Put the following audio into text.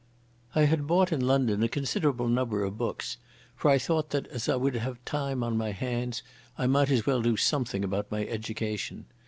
I had bought in London a considerable number of books, for I thought that, as I would have time on my hands, I might as well do something about my education.